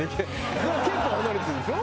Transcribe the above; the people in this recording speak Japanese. でも結構離れてるでしょ？